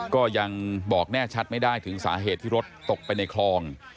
ก็ยังบอกแน่ชัดไม่ได้ถึงสาเหตุที่รถตกไปในคลอง